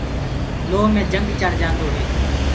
لوه مي جنگ چڙهجآدو هي۔